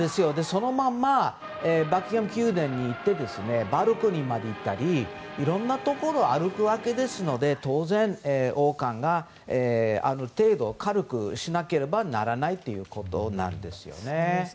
そのままバッキンガム宮殿に行ってバルコニーまで行ったりいろんなとこを歩くわけですので当然、王冠がある程度、軽くしなければならないということなんです。